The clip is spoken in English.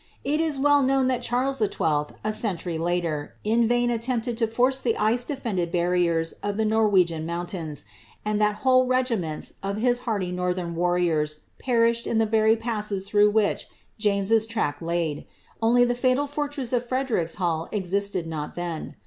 It is well known that Charles XII., a century later, in vain attempted to force the ice defended barriers of the Norwegian mountains, and that whole regi ments of his hardy northern warriors perished in the very passes through which James's track laid, only the fatal fortress of Fredericshall existed not then.